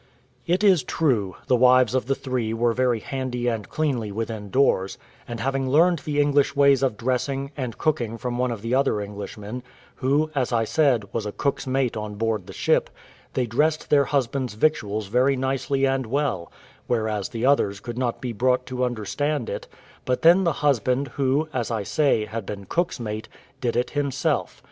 It is true, the wives of the three were very handy and cleanly within doors; and having learned the English ways of dressing, and cooking from one of the other Englishmen, who, as I said, was a cook's mate on board the ship, they dressed their husbands' victuals very nicely and well; whereas the others could not be brought to understand it; but then the husband, who, as I say, had been cook's mate, did it himself.